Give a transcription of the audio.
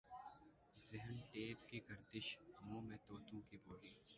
ذہن ٹیپ کی گردش منہ میں طوطوں کی بولی